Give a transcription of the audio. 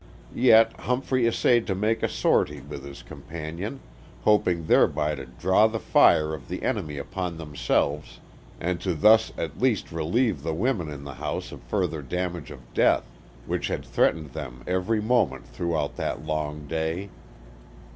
Yet Humphrey essayed to make a sortie with his companion, hoping thereby to draw the fire of the enemy upon themselves and to thus at least relieve the women in the house of further danger of death which had threatened them every moment throughout that long day.